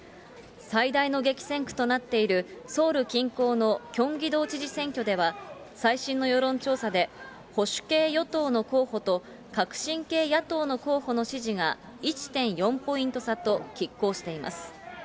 最大の激戦区となっているソウル近郊のキョンギ道知事選挙では最新の世論調査で保守系与党の候補と革新系野党の候補の支持が１．４ポイント差ときっ抗しています。